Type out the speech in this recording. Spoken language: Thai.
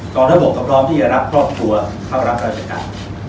องทัพบกก็พร้อมที่จะรับครอบครัวเข้ารับราชการ